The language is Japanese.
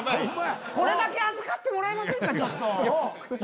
これだけ預かってもらえませんか？